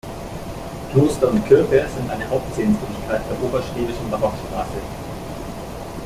Kloster und Kirche sind eine Hauptsehenswürdigkeit der "Oberschwäbischen Barockstraße".